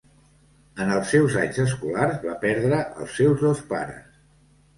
En els seus anys escolars va perdre els seus dos pares.